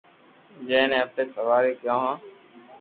جي ني اپي سواري ڪيو هون